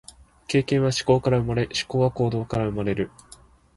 経験は思考から生まれ、思考は行動から生まれる。